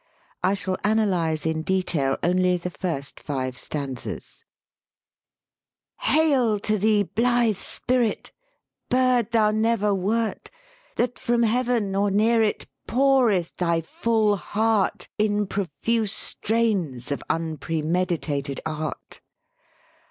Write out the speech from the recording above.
I shall ana lyze in detail only the first five stanzas : "Hail to thee, blithe Spirit! Bird them never wert, That from heaven, or near it Pourest thy full heart In profuse strains of unpremeditated art.